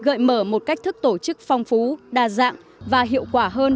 gợi mở một cách thức tổ chức phong phú đa dạng và hiệu quả hơn